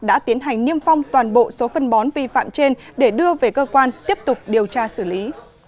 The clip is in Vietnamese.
đã tiến hành niêm phong toàn bộ số phân bón vi phạm trên để đưa về cơ quan tiếp tục điều tra xử lý